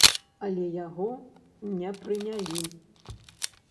Але яго не прынялі.